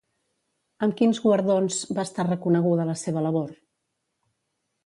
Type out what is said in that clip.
Amb quins guardons va estar reconeguda la seva labor?